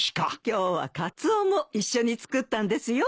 今日はカツオも一緒に作ったんですよ。